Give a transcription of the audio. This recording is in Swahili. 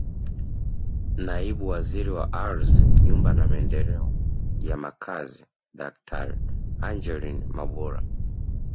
Naibu Waziri wa Ardhi Nyumba na Maendeleo ya Makazi Daktari Angeline Mabula